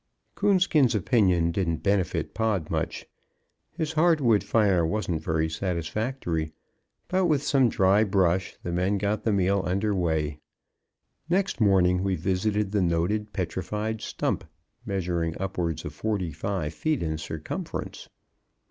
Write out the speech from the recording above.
Coonskin's opinion didn't benefit Pod much. His hard wood fire wasn't very satisfactory, but with some dry brush the men got the meal under way. Next morning we visited the noted petrified stump, measuring upwards of forty five feet in circumference.